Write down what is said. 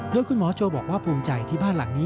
โดยคุณหมอโจบอกว่าภูมิใจที่บ้านหลังนี้